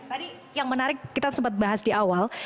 tadi yang menarik kita sempat bahas di awal